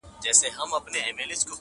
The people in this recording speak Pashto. څه ګلاب سوې څه نرګس او څه سنبل سوې,